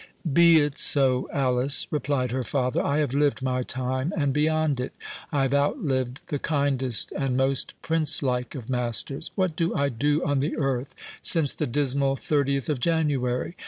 "Be it so, Alice," replied her father; "I have lived my time, and beyond it. I have outlived the kindest and most princelike of masters. What do I do on the earth since the dismal thirtieth of January?